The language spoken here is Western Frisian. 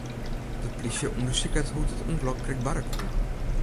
De plysje ûndersiket hoe't it ûngelok krekt barre koe.